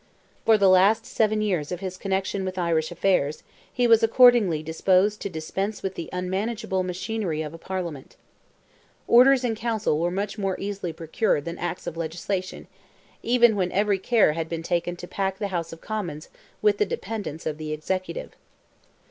For the last seven years of his connection with Irish affairs, he was accordingly disposed to dispense with the unmanageable machinery of a Parliament. Orders in council were much more easily procured than acts of legislation, even when every care had been taken to pack the House of Commons with the dependents of the executive.